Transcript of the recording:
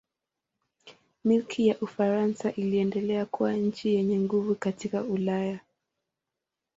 Milki ya Ufaransa iliendelea kuwa nchi yenye nguvu katika Ulaya.